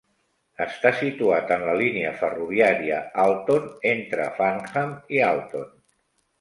Està situat en la línia ferroviària Alton, entre Farnham i Alton.